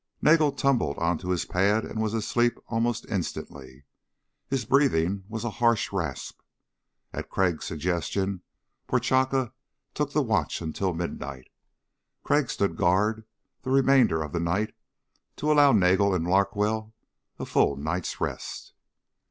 Nagel tumbled onto his pad and was asleep almost instantly. His breathing was a harsh rasp. At Crag's suggestion Prochaska took the watch until midnight. Crag stood guard the remainder of the night to allow Nagel and Larkwell a full night's rest.